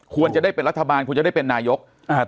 ควรจะได้เป็นรัฐบาลควรจะได้เป็นนายก